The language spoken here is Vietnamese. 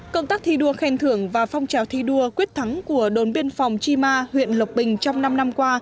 công tác thi đua khen thưởng và phong trào thi đua quyết thắng của đồn biên phòng chi ma huyện lộc bình trong năm năm qua